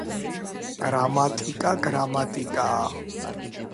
გრამატიკა გრამატიკაა